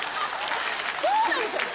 そうなんですよ！